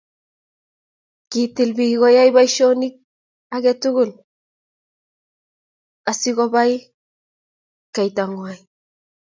kitil biik koyai boisionik age tugul asikubai kaitang'wany